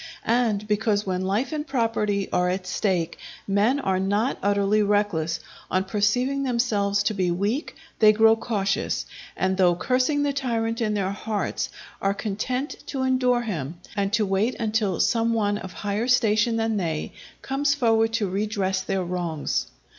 And because when life and property are at stake men are not utterly reckless, on perceiving themselves to be weak they grow cautious, and though cursing the tyrant in their hearts, are content to endure him, and to wait until some one of higher station than they, comes forward to redress their wrongs.